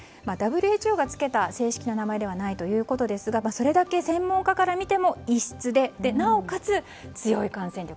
ＷＨＯがつけた正式な名前ではないということですがそれだけ専門家から見ても異質でなおかつ、強い感染力。